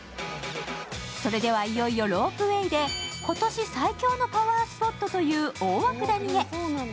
それでは、いよいよロープウエーで今年最強のパワースポットという大涌谷へ。